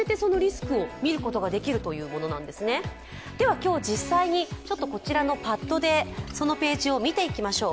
今日実際に、こちらのＰａｄでこちらのサイトを見ていきましょう。